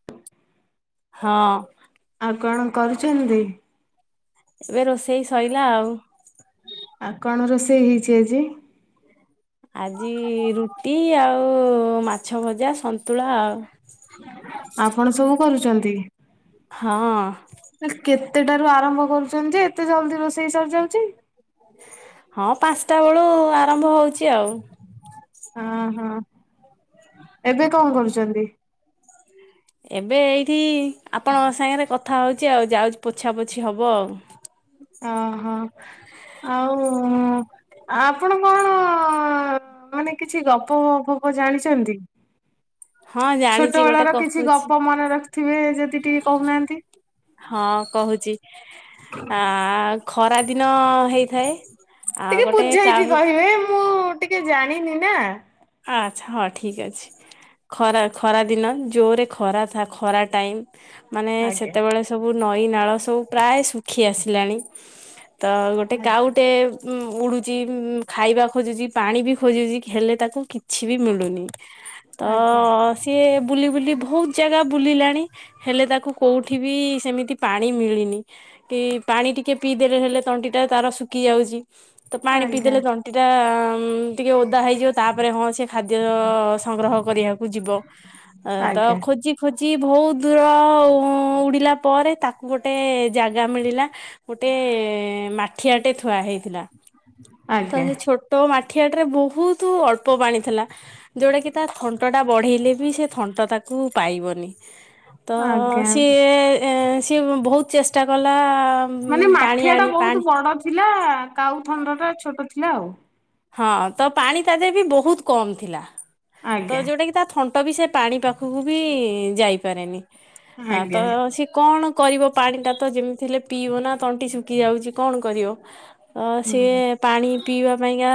ହ [inaudible] ହଁ ଆଉ କଣ କରିଚନ୍ତି? ଏବେ ରୋଷେଇ ଶୋଇଲା ଆଉ। ଆଉ କଣ ରୋଷେଇ ହେଇଛି ଆଜି? ଆଜି ରୁଟି ଆଉ ମାଛ ଭଜା, ସନ୍ତୁଳା ଆଉ। ଆପଣ ସବୁ କରୁଚନ୍ତି? ହଁ ସେ କେତେଟାରୁ ଆରମ୍ଭ କରୁଛନ୍ତି ଯେ ଏତେ ଜଲ୍ଦି ରୋଷେଇ ସରି ଯାଉଛଚି? ହଁ ପାନ୍ସଟା ବେଳୁ ଆରମ୍ଭ ହୋଉଛି ଆଉ। ଅଁ ହଁ, ଏବେ କଁ କରୁଚନ୍ତି? ଏବେ ଏଇଠି ଆପଣଙ୍କ ସାଙ୍ଗେରେ କଥା ହୋଉଛି ଆଉ, ଯାଉଛି ପୋଛା ପୋଛି ହବ ଆଉ। ଅଁ ହଁ ଆଉ ଆ ଆପଣ କଣ ମାନେ କିଛି ଗପ ଫପ ସବୁ ଜାଣିଛନ୍ତି? ହଁ ଜାଣିଛି ଛୋଟ ଗୋଟେ ବେଳର କିଛି କହୁଛି ଗପ ମନେ ରଖିଥିବେ ଯଦି ଟିକେ କୋହୁନାହାନ୍ତି। ହଁ କହୁଛି ଆ- ଖରା ଦିନ ହେଇଥାଏ। ଆଉ ଟିକେ ଗୋଟେ ବୁଝେଇକି କାହୁ କହିବେ ମୁଁ ଟିକେ ଜାଣିନି ନା। ଆ ଆଚ୍ଛା ହଁ ଠିକ୍ ଅଛି ଖରା ଖରା ଦିନ ଜୋରେ ଖରା ଥା ଖରା ଟାଇମ୍? ମାନେ ଆଜ୍ଞା ସେତେବେଳେ ସବୁ ନଈ ନାଳ ସବୁ ପ୍ରାୟ ଶୁଖି ଆସିଲାଣି। ତ ଗୋଟେ ଆଜ୍ଞା କାଉଟେବ୍ ଉଁ ଉଡୁଚି ଉଁ-ଖାଇବା ଖୋଜୁଛି ପାଣି ବି ଖୋଜୁଛି ହେଲେ ତାକୁ କିଛି ବି ମିଳୁନି ତ ଆଜ୍ଞା ସିଏ ବୁଲି ବୁଲି ଭୋଉତ୍ ଜାଗା ବୁଲିଲାଣି। ହେଲେ ତାକୁ କୋଉଠି ବି ସେମିତି ପାଣି ମିଳିନି। କି ପାଣି ଟିକେ ପିଇଦେଲେ ହେଲେ ତଣ୍ଟିଟା ତାର ଶୁକି ଯାଉଚି। ତ ପାଣି ଆଜ୍ଞା ପିଇଦେଲେ ତଣ୍ଟି ଟା ଉଁ-ଟିକେ ଓଦା ହେଇଯିବ ତାପରେ ହଁ ସେ ଖାଦ୍ୟ ସଂଗ୍ରହ କରିବଆକୁ ଯିବ ତ ଆଜ୍ଞା। ଖୋଜି ଖୋଜି ଭୋଉତ୍ ଦୂର ଉଁ -ଉଡିଲା ପରେ, ତାକୁ ଗୋଟେ ଜାଗା ମିଳିଲା। ଗୋଟେ ମାଠିଆଟେ ଥୁଆ ହେଇଥିଲା, ତ ଆଜ୍ଞା ସେ ଛୋ ତୋ ମା ଠିଆଟ ବୋହୁତୁ ଅ ଅଳ୍ପ ପାଣି ଥିଲା ଯୋଉଟାକି ତା ଥଣ୍ଟଟା ବଢ଼େଇଲେ ବି ସେ ଥଣ୍ଟ ତାକୁ ପାଇବନି। ତ ଆଜ୍ଞା ସିଏ ସିଏ ଭୋହୁତ୍ ଚେଷ୍ଟା କଲା। ମାନେ ପାଣି ମାଠିଆ ଟା ଆଣି ବ ପାଣି ବଡ ଥିଲା, କାଉଥଣ୍ଡ ଟା ଛୋଟ ଥିଲା ଆଉ। ହଁ ତ ପାଣି ତା ଦେହରେ ବି ବୋହୁତ୍ କମ୍ ଥିଲା ତ ଆଜ୍ଞା ଯୋଉଟା କି ତା ଥଣ୍ଟ ବି ସେ ପାଣି ପାଖୁକୁ ବି ଯାଇପାରେନି ହଁ ତ ଆଜ୍ଞା ସିଏ କଣ କରିବ ପାଣିଟା ତ ଯେମିତି ଥିଲେ ପିଇବ ନା, ତଣ୍ଟି ଶୁଖି ଯାଉଛି କଣ କରିବ। ଅ ହୁଁ ସିଏ ପାଣି ପିଇବା ପାଇଁକା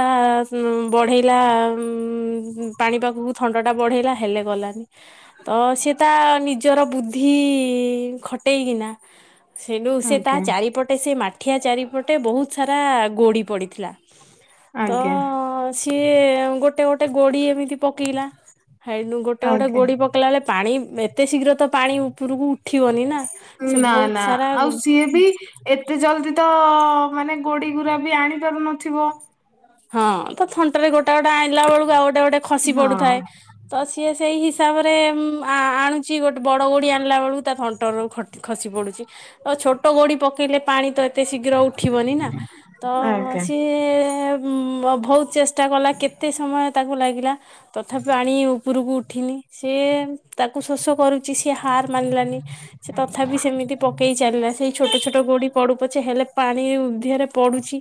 ସୁ ବଢ଼େଇଲା ଉଁ -ପାଣି ପାଖୁକୁ ଥଣ୍ଟଟା ବଢ଼େଇଲା, ହେଲେ ଗଲାନି। ତ ସିଏ ତା ନିଜର ବୁଦ୍ଧି ଖଟେଇକିନା ସେନୁ ସେ ତା ଆଜ୍ଞା ଚାରିପଟେ ସେ ମାଠିଆ ଚାରିପଟେ ବୋହୁତ୍ ସାରା ଗୋଡ଼ି ପଡ଼ିଥିଲା। ତ ଆଜ୍ଞା ସିଏ ଗୋଟେ ଗୋଟେ ଗୋଡି ଏମିତି ପକେଇଲା ସେନୁ ଗୋଟା ଗୋଟା ଆଜ୍ଞା ଗୋଡି ପକେଇଲା ବେଲେ ପାଣି ଇଁ -ଏତେ ଶୀଘ୍ର ତ ପାଣି ଉପୁରୁକୁ ଉଠିବନି ନା ସେ ନା ଭୋଉତ୍ ନା ସାରା ଆଉ ସିଏ ବି ଏତେ ଜଲ୍ଦି ତ ମାନେ ଗୋଡି ଗୁରା ବି ଆଣି ପାରୁନଥିବ? ହଁ ତ ଥଣ୍ଟରେ ଗୋଟା ଗୋଟା ଆଣିଲା ବେଳୁକୁ ଆଉ ଗୋଟେ ଗୋଟେ ଖସି ହଁ ପଡୁଥାଏ। ତ ସିଏ ସେଇ ହିସାବରେ ଆଣୁଛି ଗୋଟେ ବଡ ଗୋଡି ଆଣିଲା ବେଳକୁ ତା ଅଣ୍ଟରରୁ ଖ ଖସି ପଡୁଛି, ଆଉ ଛୋଟ ଗୋଡି ପକେଇଲେ ପାଣି ତ ଏ ଏତେ ଶୀଘ୍ର ଉଠିବନି ନା, ତ ଆଜ୍ଞା। ସିଏ ଉଁ ବହୁତ ଚେଷ୍ଟା କଲା କେତେ ସମୟ ତାକୁ ଲାଗିଲା ତଥାପି ପାଣି ଉପରକୁ ଉଠିନି ସେ ତାକୁ ଶୋଷ କରୁଛି ସେ ହାର ମାନିଲାନି। ସେ ତଥାପି ସେମିତି ପକେଇ ଚାଲିଲା ସେଇ ଛୋଟ ଛୋଟ ଗୋଡି ପଡୁ ପଛେ ହେଲେ ପାଣି ଦିହରେ ପଡୁଛି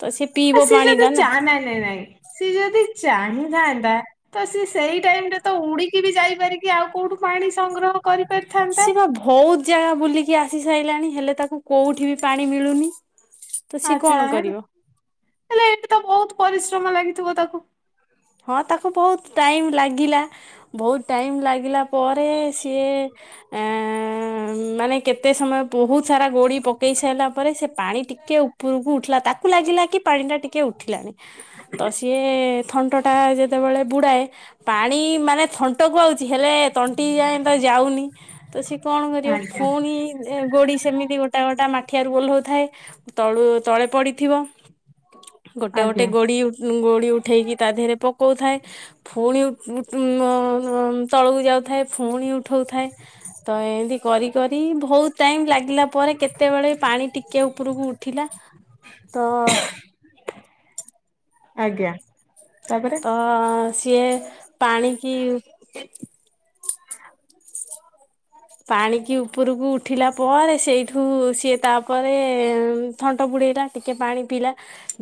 ତ ସିଏ ପିଇବ। ସେ ପାଣି ଯଦି ଟା ନା ଚାଁ ନାଇଁ ନାଇଁ ନାଇଁ ସେ ଯଦି ଚାହିଁଥାନ୍ତା ତ ସି ସେଇ ଟାଇମ ରେ ତ ଉଡିକି ବି ଯାଇପାରିକି ଆଉ କୋଉଠୁ ପାଣି ସଂଗ୍ରହ କରିପାରିଥାନ୍ତା। ସିଏ ବା ବହୁତ ଜାଗା ବୁଲିକି ଆସି ସାରିଲାଣି ହେଲେ ତାକୁ କୋଉଠି ବି ପାଣି ମିଳୁନି। ତ ସିଏ ଆଛା କଣ ହେଲା କରିବ? ହେଲେ ଏଇଠି ତ ବହୁତ ପରିଶ୍ରମ ଲାଗିଥିବ ତାକୁ। ହଁ ତାକୁ ବହୁତ ଟାଇମ୍ ଲାଗିଲା ବହୁତ ଟାଇମ୍ ଲାଗିଲା ପରେ ସିଏ ଏ ମାନେ କେତେ ସମୟ ବହୁତ ସାରା ଗୋଡି ପକେଇ ସାରିଲା ପରେ ସେ ପାଣି ଟିକେ ଉପରକୁ ଉଠିଲା ତାକୁ ଲାଗିଲା କି ପାଣି ଟା ଟିକେ ଉଠିଲାଣି ତ ସିଏ ଥ ତା ଯେତେବେଳେ ବୁଡ଼ାଏ ପାଣି ମାନେ ଥଣ୍ଟକୁ ଆଉଛି ହେଲେ ତଣ୍ଟି ଯାଏ ତ ଯାଉନି। ତ ସିଏ କଣ କରିବ ଆଜ୍ଞା ଫୁଣି ଗୋଡି ସେମିତି ଗୋଟା ଗୋଟା ମାଠିଆରୁ ଓହ୍ଲଉ ଥାଏ ତଳୁ ତଳେ ପଡିଥିବ। ଗୋଟେ ଗୋଟେ ଆଜ୍ଞା ଗୋଡି ଗୋଡି ଉଠେଇକି ତା ଦେହରେ ପକଉଥାଏ। ଫୁଣି ତଳକୁ ଯାଉଥାଏ ଫୁଣି ଉଠଉଥାଏ। ତ ଏମିତି କରି କରି ବହୁତ ଟାଇମ ଲାଗିଲା ପରେ କେତେବେଳେ ପାଣି ଟିକେ ଉପରକୁ ଉ ଉଠିଲା ତ ଆଜ୍ଞା ତାପରେ, ଅ ସିଏ ପାଣିକିି ପାଣିକି ଉପରକୁ ଉଠିଲା ପରେ ସେଇଠୁ ସିଏ ତାପରେ ଥଣ୍ଟ ବୁଡ଼େଇଲା ଟିକିଏ ପାଣି ପିଇଲା।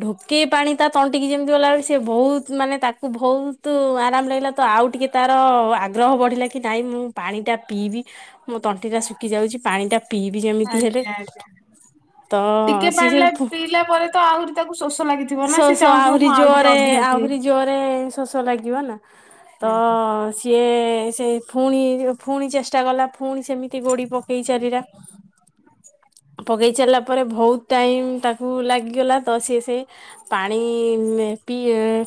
ଢୋକେଇ ପାଣି ତା ତଣ୍ଟିକି ଯେମିତି ଗଲାବେଳେ ସେ ବହୁତ ମାନେ ତାକୁ ବହୁତ ଆରାମ ଲାଗିଲା ତ ଆଉ ଟିକେ ତାର ଆଗ୍ରହ ବଢ଼ିଲା କି ନାଇଁ ମୁଁ ପାଣିଟା ପିଇବି। ମୋ ତଣ୍ଟି ଟା ଶୁଖି ଯାଉଛି ପାଣିଟା ପିଇବି ଯେମିତି ହେଲେ, ଆଜ୍ଞା ଆଜ୍ଞା। ତ ଟିକେ ସିଏ ସେ ପାଣିଲା ପିଇଲା ପରେ ତ ଆଉ ତାକୁ ଶୋଷ ଲାଗେ, ଶ ଶ ଆହୁରି ଜୋରେ ଆହୁରି ଜୋରେ ଶୋଷ ଲାଗିବ ନା ତ ଆଜ୍ଞା ଯିଏ ସେ ଫୁଣି ଫୁଣି ଚେଷ୍ଟା କଲା ଫୁଣି ସେମିତି ଗୋଡ଼ି ପକେଇ ଚାଲିଲା ହଁ ପକେଇ ଚାଲିଲା ପରେ ବହୁତ ଟାଇମ ତାକୁ ଲାଗିଗଲା ତ ସିଏ ସେ ପାଣି ପି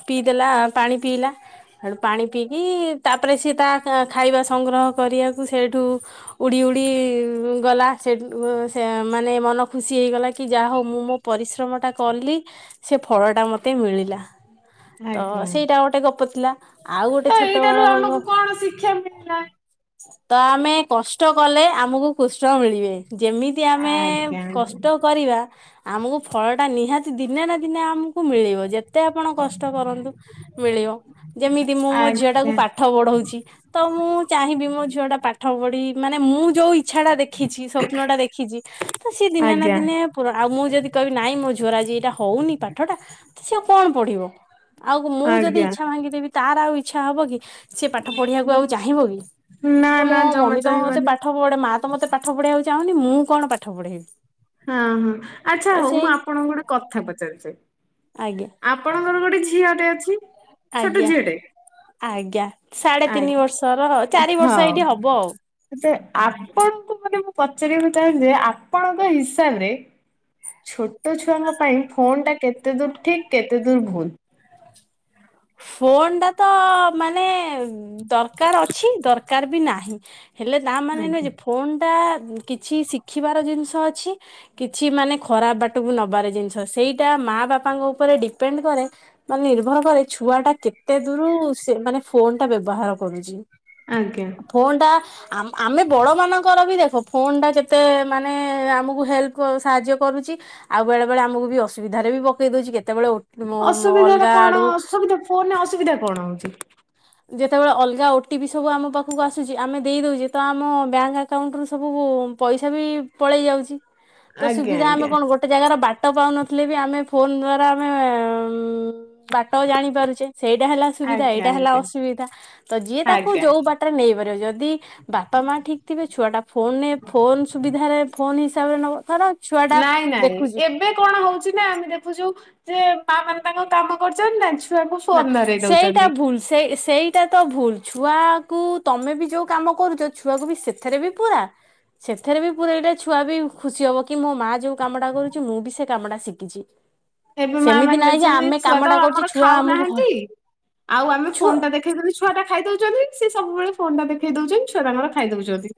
ପିଇଦେଲା ପାଣି ପିଇଲା, ସେଠୁ ପାଣି ପିଇକି ତାପରେ ସି ତା ଖାଇବା ସଂଗ୍ରହ କରିବାକୁ ସେଇଠୁ ଉଡ଼ି ଉଡ଼ି ଗଲା ସେଇଟୁ ସେ ମାନେ ମନ ଖୁସି ହେଇଗଲା କି ଯାହା ହଉ ମୁଁ ମୋ ପରିଶ୍ରମ ଟା କଲି ସେ ଫଳଟା ମୋତେ ମିଳିଲା ତ ଆଜ୍ଞା। ସେଇଟା ଗୋଟେ ଗପ ଥିଲା। ଆଉ ଗୋଟେ ତ ଛୋଟବେଳ ଏଇଟାରୁ ର ଆମକୁ କଣ ଶିକ୍ଷା ମିଳିଲା? ତ ଆମେ କଷ୍ଟ କଲେ ଆମକୁ କୃଷ୍ଣ ମିଳିବେ ଯେମିତି ଦି ଆମେ ଆଜ୍ଞା ଆଜ୍ଞା କଷ୍ଟ କରିବା ଆମକୁ ଫଳ ଟା ନିହାତି ଦିନେ ନା ଦିନେ ଆମ ମିଳିବ ଯେତେ ଆପଣ କଷ୍ଟ କରନ୍ତୁ ମିଳିବ ଯେମିତି ମୁଁ ମୋ ଝିଅ ଟାକୁ ପା ଠ ପଢଉଛି ତ ମୁଁ ଚାହିଁବି ମୋ ଝିଅ ଟା ପାଠ ପଢି ମାନେ ମୁଁ ଯୋଉ ଇଚ୍ଛା ଟା ଦେ ଖିଛି ସ୍ଵପ୍ନ ଟା ଦେଖିଛି ତ ସିଏ ଦିନେ ନା ଆଜ୍ଞା ଦିନେ ପୁରା ଆଉ ମୁଁ ଯେଦି କହିବି ନାଇଁ ମୋ ଝୁଅର ଆଜି ଏଇଟା ହଉନି ପାଠଟା ସିଏ କଣ ପଢିବ? ଆଉ ମୁଁ ଯଦି ଆଜ୍ଞା। ଇଚ୍ଛା ଭାଙ୍ଗିଦେବି ତାର ଆଉ ଇଚ୍ଛା ହବ କି ସିଏ ପାଠ ପଢିବାକୁ ଆଉ ଚାହିଁବ କି ନା କହିବ ନା ମୋ ଜମା ମମି ତ ମତେ ଚାହିଁବନି ପା ପାଠ ପଢା ମା ତ ମତେ ପାଠ ପଢେଇବାକୁ ଚାହୁଁନି ମୁଁ କଣ ପାଠ ପଢେଇବି। ହଁ ହଁ ଆଚ୍ଛା ତ ହଉ ମୁଁ ସେଇ ଆପଣଙ୍କୁ ଗୋଟେ କଥା ପଚାରୁଛି। ଆଜ୍ଞା। ଆପଣଙ୍କର ଗୋଟେ ଝିଅଟେ ଅଛି? ଛୋଟ ଆଜ୍ଞା ଝିଅଟେ? ଆଜ୍ଞା ସାଢେ ତିନି ଆଜ୍ଞା। ବର୍ଷର ହଁ ଚାରି ବର୍ଷ ଏଇଠି ହବ ଆଉ। ତ ଆପଣଙ୍କୁ ମାନେ ମୁଁ ପଚାରିବାକୁ ଚାହୁଁଛି ଯେ ଆପଣଙ୍କ ହିସାବରେ ଛୋଟ ଛୁଆଙ୍କ ପାଇଁ ଫୋନ୍ ଟା କେତେ ଦୂର ଠିକ୍ କେତେ ଦୂର ଭୁଲ୍? ଫୋନ୍ ଟା ତ ମାନେ ଦରକାର ଅଛି ଦରକାର ବି ନାହିଁ। ହେଲେ ତା ମାନେ ନୁହେଁ ଆଜ୍ଞା ଯେ ଫୋନ୍ ଟା କିଛି ଶିଖିବାର ଜିନିଷ ଅଛି କିଛି ମାନେ ଖରାପ ବାଟକୁ ନବାରେ ଜିନିଷ ସେଇଟା ମା ବାପାଙ୍କ ଉପରେ ଡିପେଣ୍ଡ୍ କରେ। ମାନେ ନିର୍ଭର କରେ ଛୁଆ ଟା କେତେ ଦୂର ସେ ମାନେ ଫୋନ୍ ଟା ବ୍ୟବହାର କରୁଛି। ଆଜ୍ଞା। ଫୋନ୍ ଟା ଆମ ଆମେ ବଡ଼ମାନଙ୍କର ବି ଦେଖ ଫୋନ୍ ଟା ଯେତେ ମାନେ ଆମକୁ ହେଲ୍ପ କ ସାହାଯ୍ୟ କରୁଛି ଆଉ ବେଳେ ବେଳେ ଆମକୁ ବି ଅସୁବିଧାରେ ବି ପକେଇ ଦଉଛି କେତେବେଳେ ଓ ଟି ପି ମୋ ଅଲଗା ଆଡ଼କୁ ଫୋନ୍ ରେ ଅସୁବିଧା କଣ ହଉଛି? ଯେତେବେଳେ ଅଲଗା ଓ ଟି ପି ସବୁ ଆମ ପାଖକୁ ଆସୁଛି ଆମେ ଦେଇ ଦଉଛେ ତ ଆମ ବ୍ୟାଙ୍କ୍ ଆ କାଉଣ୍ଟ ରୁ ସବୁ ପ ପଇସା ବି ପଳେଇ ଯାଉଛି ତ ଆଜ୍ଞା ସୁବିଧା ଆମେ ଆଜ୍ଞା କଣ ଗୋ ଟେ ଜାଗାର ବାଟ ପାଉନଥିଲେ ବି ଆମେ ଫୋନ୍ ଦ୍ଵାରା ଆମେ ଉଁ ବାଟ ଜାଣି ପାରୁଛେ ସେଇଟା ହେଲା ସୁବିଧା ଆଜ୍ଞା ଏଇଟା ହେଲା ଆଜ୍ଞା ଅସୁବିଧା ତ ଯିଏ ତାକୁ ଆଜ୍ଞା। ଯୋଉ ବା ଟ ରେ ନେଇପାରିବ ଯଦି ବାପା ମା ଠିକ୍ ଥିବେ ଛୁଆ ଟା ଫୋନ୍ ରେ ଫୋନ୍ ସୁବିଧାରେ ଫୋନ୍ ହିସାବରେ ନବ ଧର ଛୁଆ ଟା ନାଇଁ ନାଇଁ ଦେଖୁଛି ଏବେ କଣ ହଉଛି ନା ଆମେ ଦେଖୁଛୁ ଯେ ମା ମାନେ ତାଙ୍କ କାମ କରୁଛନ୍ତି ନା ଛୁ ଛୁଆକୁ ନା ଫୋନ୍ ଧରେଇ ସେଇଟା ଦଉଛନ୍ତି। ଭୁଲ ସେଇ ସେଇଟା ତ ଭୁଲ୍ ଛୁଆକୁ ତମେ ବି ଯୋଉ କାମ କରୁଛ ଛୁଆକୁ ବି ସେଥିରେ ବି ପୁରା। ସେଥିରେ ବି ପୁରେଇଲେ ଛୁଆ ବି ଖୁସି ହବ କି ମୋ ମାଆ ଯୋଉ କାମଟା କରୁଛି ମୁଁ ବି ସେ କାମଟା ଶିଖିଛି। ଏବେ ମା ସେମିତି ମାନେ ନାହିଁ ଯେ ଦେଖୁଛନ୍ତି ଆମେ ଛୁଆ ତ କାମଟା କରୁଛେ ଆମର ଛୁଆ ଖାଉ ଆମକୁ ନାହା ହ ଚି ଆଉ ଆମେ ଛୁ ଫୋନ୍ ଟା ଦେ ଦେଖେଇ ଦେଲେ ଛୁଆଟା ଖାଇଦଉଛନ୍ତି ସେ ସବୁବେଳେ ଫୋନ୍ ଟା ଦେଖେଇ ଦଉଛନ୍ତି ଛୁଆ ତାଙ୍କର ଖାଇ ଦଉଛନ୍ତି।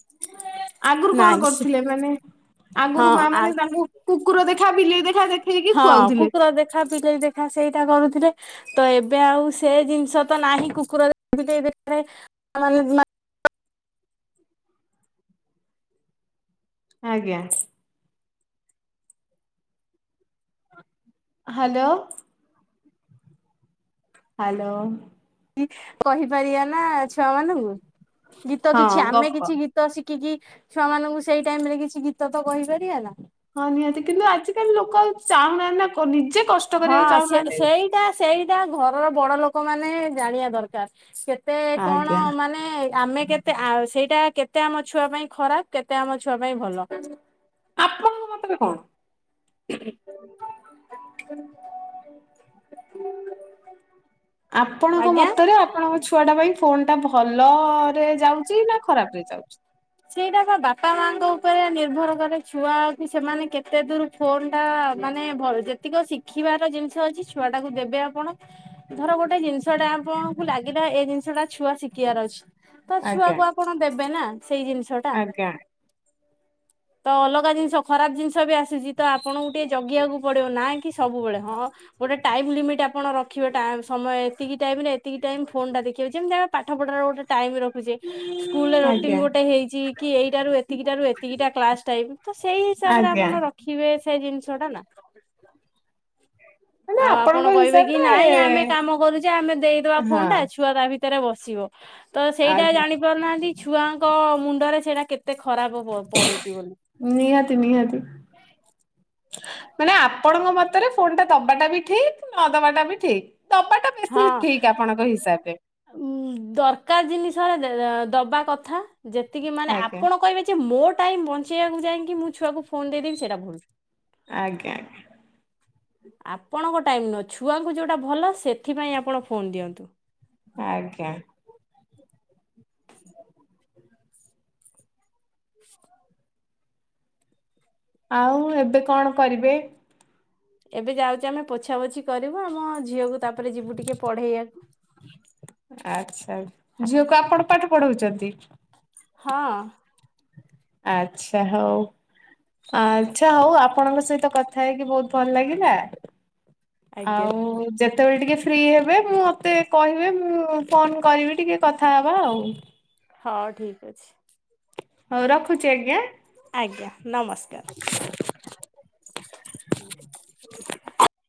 ଏଁ। ଆଗରୁ କଣ କରୁଥିଲେ ମାନେ ଆଗରୁ ହଁ ମା ଆ ମାନେ ତାଙ୍କୁ କୁକୁର ଦେଖା ବିଲେଇ ଦେଖା ଦେ ହଁ କୁକୁର ଦେଖା ବିଲେଇ ଦେଖା ସେଇଟା କରୁଥିଲେ। ତ ଏବେ ଆଉ ସେ ଜିନିଷ ତ ନାହିଁ କୁକୁର ଦେଖା ବିଲେଇ ଦେଖା ମାନେ ମା ଆଜ୍ଞା। ହାଲୋ। ହାଲୋ। କି କହିପାରିବା ନା ଛୁଆ ମାନଙ୍କୁ ଗୀତ ହଁ କିଛି ଆମେ ଗପ କିଛି ଗୀ ତ ଶିଖିକି ଛୁଆ ମାନଙ୍କୁ ସେଇ ଟାଇମ୍ ରେ କିଛି ଗୀତ ତ କହିପାରିବା ନା। ହଁ ନିହାତି କିନ୍ତୁ ଆଜିିକାଲି ଲୋକ ଚାହୁଁନାହାନ୍ତି ନା ନିଜେ କଷ୍ଟ ହଁ କରିବାକୁ ସେ ଚାହୁଁନାହାନ୍ତି ସେଇ ସେଇଟା ଘରର ବଡ ଲୋକ ମାନେ ଜାଣିବା ଦରକାର କେତେ କଣ ଆଜ୍ଞା ମାନେ ଆମେ କେତେ ସେଇଟା କେତେ ଆମ ଛୁଆ ପାଇଁ ଖରାପ କେତେ ଆମ ଛୁଆ ପାଇଁ ଭଲ ଆପଣଙ୍କ ମତରେ କଣ? [inaudible] ଆପଣଙ୍କ ଆଜ୍ଞା। ମତରେ ଆପଣଙ୍କ ଛୁଆଟା ପାଇଁ ଫୋନ ଟା ଭଲରେ ଯାଉଛି ନା ଖରାପ ରେ ଯାଉଛି। ସେଇଟା ପା ବାପା ମାଙ୍କ ଉପରେ ନିର୍ଭର କରେ ଛୁଆକୁ ସେମାନେ କେତେ ଦୂର ଫୋନ ଟା ମାନେ ଭ ଯେତିକ ଶିଖିବାର ଜିନିଷ ଅଛି ଛୁଆ ଟାକୁ ଦେବେ ଆପଣ ଧର ଗୋଟେ ଜିନିଷ ଟା ଆପଣଙ୍କୁ ଲାଗିିଲା ଏଇ ଜିନିଷଟା ଛୁଆ ଶିଖିବାର ଅଛି। ତ ଆଜ୍ଞା ଛୁଆକୁୁ ଆପଣ ଦେବେ ନା ସେଇ ଜିନିଷ ଟା। ଆଜ୍ଞା। ତ ଅଲଗା ଜିନିଷ ଖରାପ ଜିନିଷ ବି ଆସୁଛି ତ ଆପଣଙ୍କୁ ଟିକେ ଜଗିବାକୁ ପଡିବ ନା କି ସବୁବେଳେ ହଁ ଗୋଟେ ଟାଇମ ଲିମିଟ୍ ଆପଣ ରଖିବେ ସମୟ ଏତିକି ଟାଇମରେ ଏତିକି ଟାଇମ ଫୋନ ଟା ଦେଖିବେ ଯେମିତି ଆ ପାଠପଢ଼ାରେ ଗୋଟେ ଟାଇମ ରଖୁଛେ ସ୍କୁଲ ଆଜ୍ଞା ରୁଟିନ ଗୋଟେ ହେଇଛି କି ଏଇଟ ଏତିକିଟା ରୁ ଏତିକିଟା କ୍ଲାସ ଟାଇମ ତ ସେଇ ହିସାବରେ ଆଜ୍ଞା ଆପଣ ରଖିବେ ସେଇ ଜିନିଷ ଟା ନା ମାନେ ଆଉ ଆପଣଙ୍କ ଆପଣ କହିବେ କି ହିସାବରେ ନାଇଁ ଆମେ କାମ କରୁଛେ ଆମେ ଦେଇଦବା ହଁ ଫୋନ ଟା ଛୁଆ ତା ଭିତରେ ବସିବ। ତ ସେଇଟା ଆଜ୍ଞା। ଜାଣି ପାରୁନାହାନ୍ତି ଛୁଆଙ୍କ ମୁଣ୍ଡରେ ସେଇଟା କେତେ ଖରାପ ପ ପଢୁଛି ବୋଲି ନିହାତି ନିହାତି ମାନେ ଆପଣଙ୍କ ମତରେ ଫୋନ ଟା ଦବାଟା ବି ଠିକ ନ ଦବାଟା ବି ଠିକ ଦବାଟା ବେଶୀ ଠିକ ଆପଣଙ୍କ ହିସାବ ରେ ଉ ଦରକାର ଜିନିଷରେ ଦବା କଥା ଯେତିକି ମାନେ ଆଜ୍ଞା ଆପଣ କହିବେ ଆ ମୋ ଟାଇମ ବଞ୍ଚେଇବାକୁ ଯାଇକି ମୁଁ ଛୁଆକୁ ଫୋନ ଦେଇଦେବି ସେଟା ଭୁଲ ଆଜ୍ଞା ଆଜ୍ଞା। ଆପଣଙ୍କ ଟାଇମ୍ ନୁହ ଛୁଆଙ୍କୁ ଯେଉଁଟା ଭଲ ସେଥିପାଇଁ ଆପଣ ଫୋନ୍ ଦିଅନ୍ତୁ। ଆଜ୍ଞା। [inaudible] ଆଉ ଏବେ କଣ କରିବେ? ଏବେ ଯାଉଛେ ଆମେ ପୋଛା ପୋଛି କରିବୁ ଆମ ଝିଅକୁ ତାପରେ ଯିବୁ ଟିକେ ପଢେଇବାକୁ। ଆଛା ଝିଅକୁ ଆପଣ ପାଠ ପଢଉଛନ୍ତି? ହଁ। ଆଚ୍ଛା ହଉ। ଆଚ୍ଛା ହଉ ଆପଣଙ୍କ ସହିତ କଥା ହେଇକି ବହୁତ ଭଲ ଲାଗିଲା। ଆଜ୍ଞା ଆଉ ଯେ ସେତେବେଳେ ଟିକେ ଫ୍ରି ହେବେ ମୁଁ ମତେ କହିବେ ମୁଁ ଫୋନ କରିବି ଟିକେ କଥାହବା ଆଉ ହଉ ଠିକ୍ ଅଛି। ହଉ ରଖୁଛି ଆଜ୍ଞା। ଆଜ୍ଞା ନମସ୍କାର। [inaudible] [inaudible]